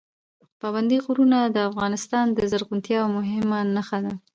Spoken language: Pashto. پابندي غرونه د افغانستان د زرغونتیا یوه مهمه نښه ده.